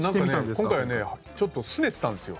今回ねちょっとすねてたんですよ。